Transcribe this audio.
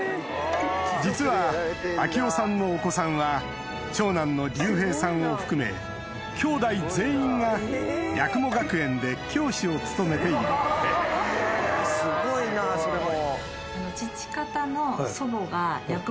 実は彰郎さんのお子さんは長男の隆平さんを含めきょうだい全員が八雲学園で教師を務めているすごいなそれも。